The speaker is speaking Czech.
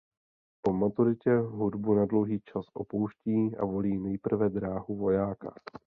Po maturitě hudbu na dlouhý čas opouští a volí nejprve dráhu vojáka.